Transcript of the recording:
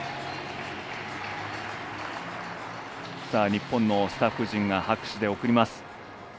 日本のスタッフ陣が拍手を送ります。